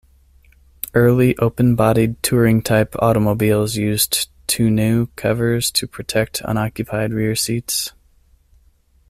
Early open-bodied touring-type automobiles used tonneau covers to protect unoccupied rear seats.